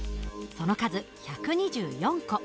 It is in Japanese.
その数１２４個。